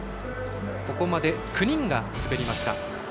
ここまで９人が滑りました。